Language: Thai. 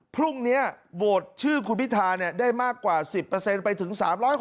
พรุ่งนี้โหวตชื่อคุณพิธาได้มากกว่า๑๐ไปถึง๓๖๐